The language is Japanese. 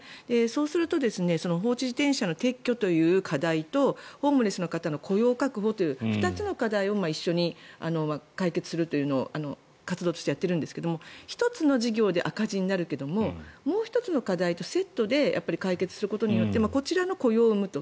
そうすると放置自転車の撤去という課題とホームレスの方の雇用確保という２つの課題を一緒に解決するというのを活動としてやっているんですけど１つの事業で赤字になるけどももう１つの課題とセットで解決することによってこちらの雇用を生むと。